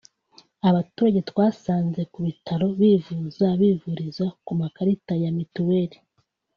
Abaturage twasanze ku bitaro bivuza bivuriza ku makarita ya Mitiweli